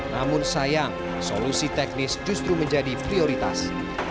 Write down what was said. namun sayang solusi teknis justru menjadi prioritas